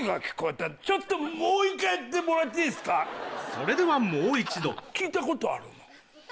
・それではもう一度・聞いたことあるな。